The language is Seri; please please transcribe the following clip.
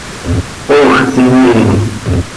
Ox imii.